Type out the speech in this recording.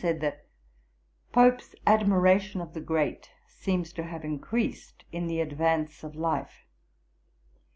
313) that 'Pope's admiration of the Great seems to have increased in the advance of life.'